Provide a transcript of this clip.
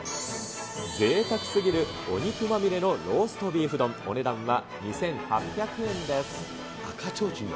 ぜいたくすぎるお肉まみれのローストビーフ丼、お値段は２８００円です。